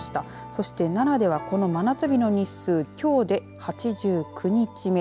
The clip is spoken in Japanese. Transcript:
そして、奈良ではこの真夏日の日数、きょうで８９日目。